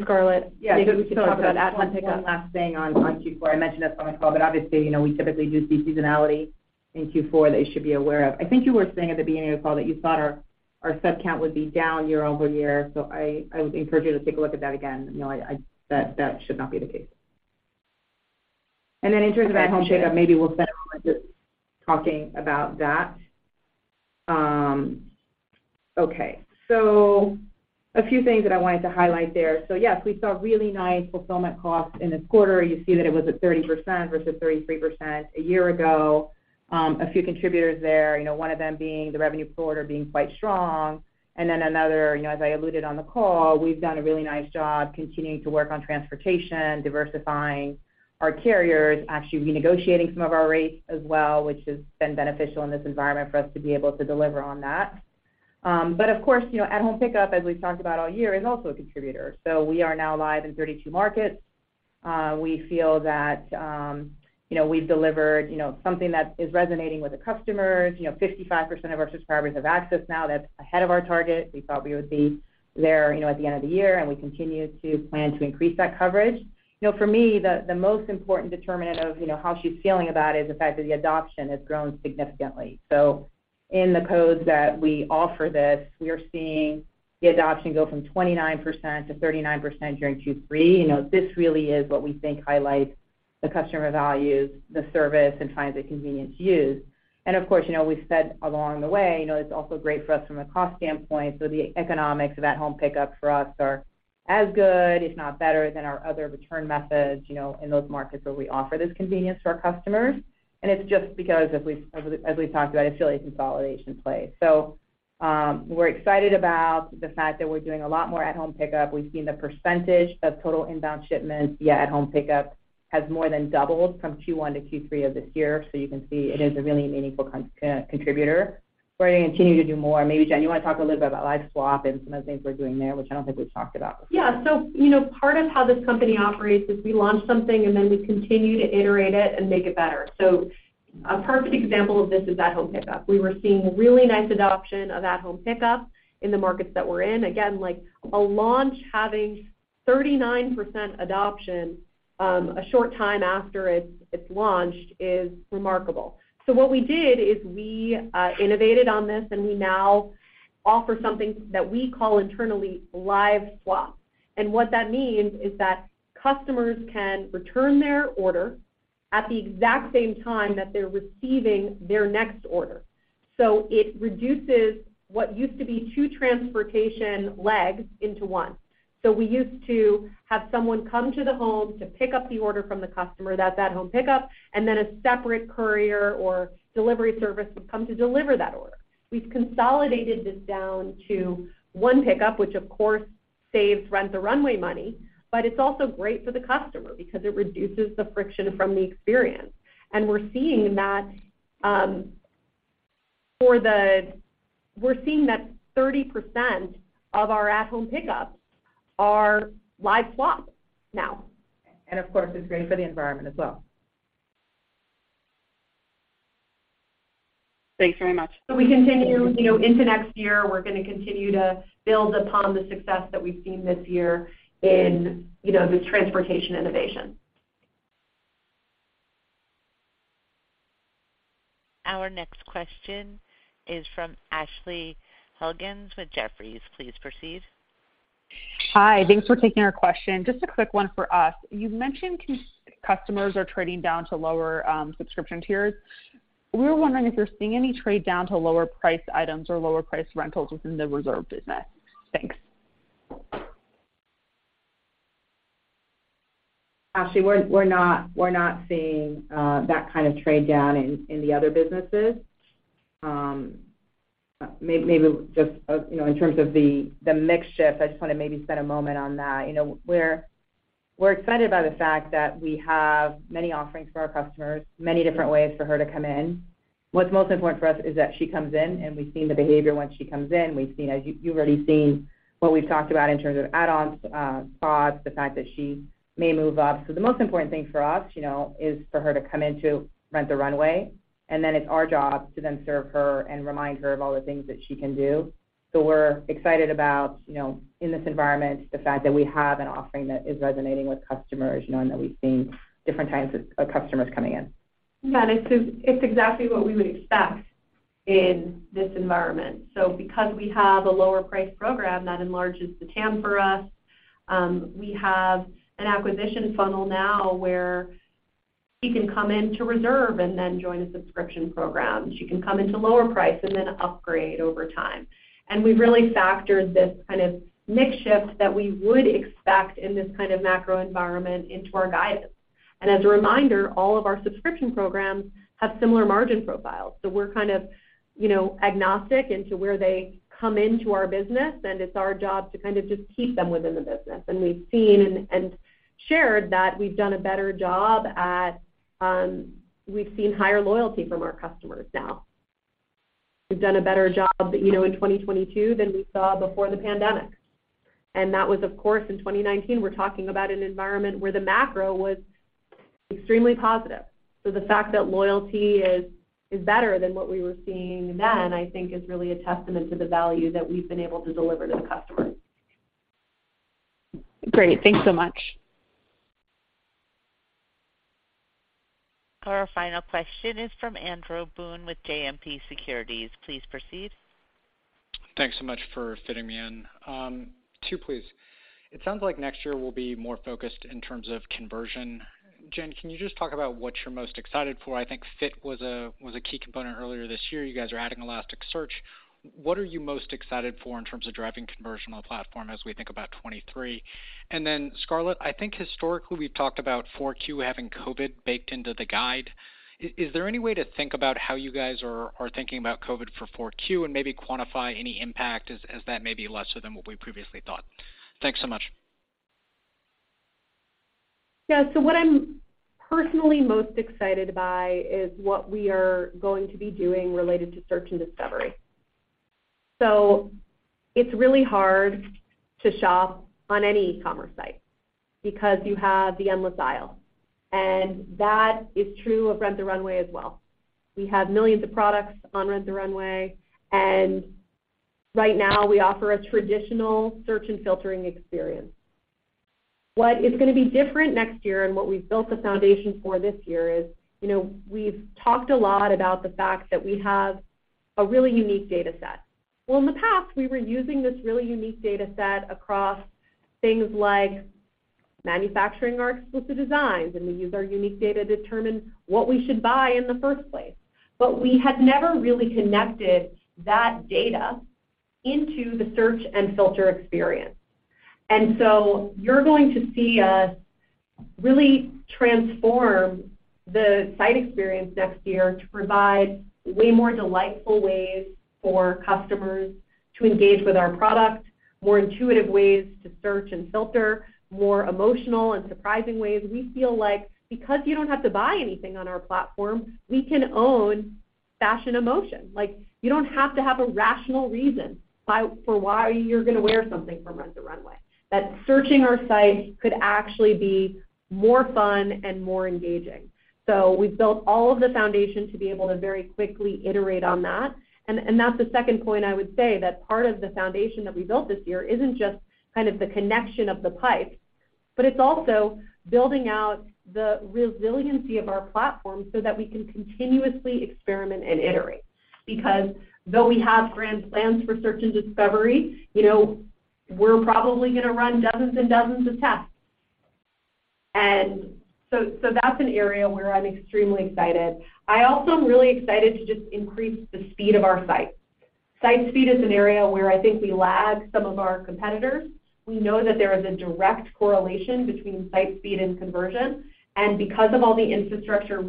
Scarlett. Yeah. Maybe we could talk about at-home pickup. I just want to say one last thing on Q4. I mentioned this on the call, but obviously, you know, we typically do see seasonality in Q4 that you should be aware of. I think you were saying at the beginning of the call that you thought our sub count would be down year-over-year. I would encourage you to take a look at that again. You know, That should not be the case. In terms of at-home pickup, maybe we'll spend a moment just talking about that. Okay. A few things that I wanted to highlight there. Yes, we saw really nice fulfillment costs in this quarter. You see that it was at 30% versus 33% a year ago. A few contributors there, you know, one of them being the revenue per order being quite strong. Another, you know, as I alluded on the call, we've done a really nice job continuing to work on transportation, diversifying our carriers, actually renegotiating some of our rates as well, which has been beneficial in this environment for us to be able to deliver on that. Of course, you know, at-home pickup, as we've talked about all year, is also a contributor. We are now live in 32 markets. We feel that, you know, we've delivered, you know, something that is resonating with the customers. You know, 55% of our subscribers have access now. That's ahead of our target. We thought we would be there, you know, at the end of the year, and we continue to plan to increase that coverage. You know, for me, the most important determinant of, you know, how she's feeling about it is the fact that the adoption has grown significantly. In the codes that we offer this, we are seeing the adoption go from 29% to 39% during Q3. You know, this really is what we think highlights the customer values, the service, and finds it convenient to use. Of course, you know, we've said along the way, you know, it's also great for us from a cost standpoint. The economics of at-home pickup for us are as good, if not better, than our other return methods, you know, in those markets where we offer this convenience to our customers. It's just because, as we talked about, it's really a consolidation play. We're excited about the fact that we're doing a lot more at-home pickup. We've seen the percentage of total inbound shipments via at-home pickup has more than doubled from Q1 to Q3 of this year. You can see it is a really meaningful contributor. We're going to continue to do more. Maybe, Jenn, you want to talk a little bit about Live Swap and some of the things we're doing there, which I don't think we've talked about. You know, part of how this company operates is we launch something, and then we continue to iterate it and make it better. A perfect example of this is at-home pickup. We were seeing really nice adoption of at-home pickup in the markets that we're in. Again, like, a launch having 39% adoption, a short time after it's launched is remarkable. What we did is we innovated on this, and we now offer something that we call internally Live Swap. What that means is that customers can return their order at the exact same time that they're receiving their next order. It reduces what used to be 2 transportation legs into 1. We used to have someone come to the home to pick up the order from the customer, that at-home pickup, and then a separate courier or delivery service would come to deliver that order. We've consolidated this down to one pickup, which of course saves Rent the Runway money, but it's also great for the customer because it reduces the friction from the experience. We're seeing that 30% of our at-home pickups are Live Swap now. Of course, it's great for the environment as well. Thanks very much. You know, into next year, we're gonna continue to build upon the success that we've seen this year in, you know, this transportation innovation. Our next question is from Ashley Helgans with Jefferies. Please proceed. Hi, thanks for taking our question. Just a quick one for us. You've mentioned customers are trading down to lower subscription tiers. We were wondering if you're seeing any trade down to lower price items or lower price rentals within the Reserve business? Thanks. Actually, we're not seeing that kind of trade down in the other businesses. Maybe just, you know, in terms of the mix shift, I just wanna maybe spend a moment on that. You know, we're excited by the fact that we have many offerings for our customers, many different ways for her to come in. What's most important for us is that she comes in, and we've seen the behavior when she comes in. We've seen. You've already seen what we've talked about in terms of add-ons, pods, the fact that she may move up. The most important thing for us, you know, is for her to come in to Rent the Runway, and then it's our job to then serve her and remind her of all the things that she can do. We're excited about, you know, in this environment, the fact that we have an offering that is resonating with customers, knowing that we've seen different kinds of customers coming in. Yeah. It's exactly what we would expect in this environment. Because we have a lower price program, that enlarges the TAM for us. We have an acquisition funnel now where she can come into Reserve and then join a subscription program. She can come into lower price and then upgrade over time. We've really factored this kind of mix shift that we would expect in this kind of macro environment into our guidance. As a reminder, all of our subscription programs have similar margin profiles, so we're kind of, you know, agnostic into where they come into our business, and it's our job to kind of just keep them within the business. We've seen and shared that we've done a better job at. We've seen higher loyalty from our customers now. We've done a better job, you know, in 2022 than we saw before the pandemic. That was, of course, in 2019. We're talking about an environment where the macro was extremely positive. The fact that loyalty is better than what we were seeing then, I think is really a testament to the value that we've been able to deliver to the customer. Great. Thanks so much. Our final question is from Andrew Boone with JMP Securities. Please proceed. Thanks so much for fitting me in. Two, please. It sounds like next year will be more focused in terms of conversion. Jenn, can you just talk about what you're most excited for? I think fit was a key component earlier this year. You guys are adding Elasticsearch. What are you most excited for in terms of driving conversion on the platform as we think about 2023? Scarlett, I think historically, we've talked about 4Q having COVID baked into the guide. Is there any way to think about how you guys are thinking about COVID for 4Q and maybe quantify any impact as that may be lesser than what we previously thought? Thanks so much. What I'm personally most excited by is what we are going to be doing related to search and discovery. It's really hard to shop on any commerce site because you have the endless aisle, and that is true of Rent the Runway as well. We have millions of products on Rent the Runway, and right now we offer a traditional search and filtering experience. What is gonna be different next year, and what we've built the foundation for this year is, you know, we've talked a lot about the fact that we have a really unique data set. In the past, we were using this really unique data set across things like manufacturing our exclusive designs, and we use our unique data to determine what we should buy in the first place. We had never really connected that data into the search and filter experience. You're going to see us really transform the site experience next year to provide way more delightful ways for customers to engage with our product, more intuitive ways to search and filter, more emotional and surprising ways. We feel like because you don't have to buy anything on our platform, we can own fashion emotion. Like, you don't have to have a rational reason why, for why you're gonna wear something from Rent the Runway. That searching our site could actually be more fun and more engaging. We've built all of the foundation to be able to very quickly iterate on that. That's the second point I would say, that part of the foundation that we built this year isn't just kind of the connection of the pipes, but it's also building out the resiliency of our platform so that we can continuously experiment and iterate. Though we have grand plans for search and discovery, you know, we're probably gonna run dozens and dozens of tests. That's an area where I'm extremely excited. I also am really excited to just increase the speed of our site. Site speed is an area where I think we lag some of our competitors. We know that there is a direct correlation between site speed and conversion, and because of all the infrastructure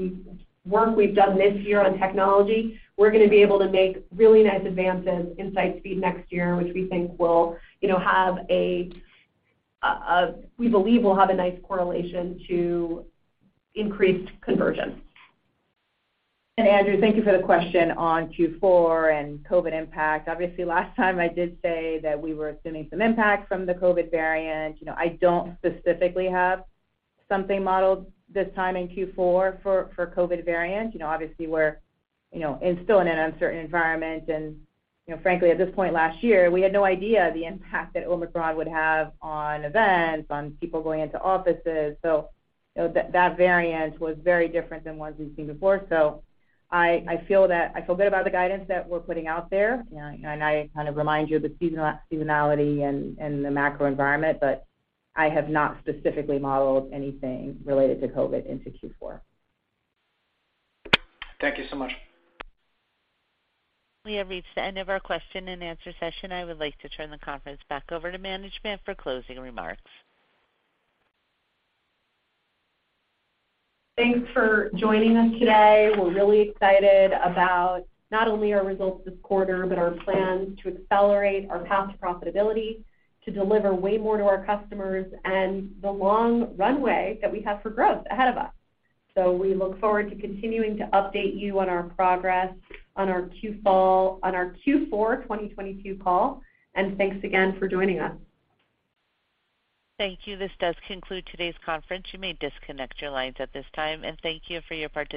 work we've done this year on technology, we're gonna be able to make really nice advances in site speed next year, which we think will, you know, have a. We believe will have a nice correlation to increased conversion. Andrew, thank you for the question on Q4 and COVID impact. Obviously, last time I did say that we were assuming some impact from the COVID variant. You know, I don't specifically have something modeled this time in Q4 for COVID variant. You know, obviously, we're, you know, still in an uncertain environment, and, you know, frankly, at this point last year, we had no idea the impact that Omicron would have on events, on people going into offices. You know, that variant was very different than ones we've seen before. I feel good about the guidance that we're putting out there. You know, I kind of remind you of the seasonality and the macro environment, but I have not specifically modeled anything related to COVID into Q4. Thank you so much. We have reached the end of our question and answer session. I would like to turn the conference back over to management for closing remarks. Thanks for joining us today. We're really excited about not only our results this quarter, but our plans to accelerate our path to profitability, to deliver way more to our customers, and the long runway that we have for growth ahead of us. We look forward to continuing to update you on our progress on our Q4 2022 call, and thanks again for joining us. Thank you. This does conclude today's conference. You may disconnect your lines at this time. Thank you for your participation.